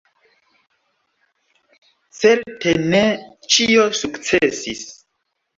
Certe ne ĉio sukcesis.